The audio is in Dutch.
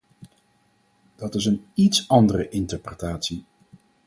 Dat is een iets andere interpretatie.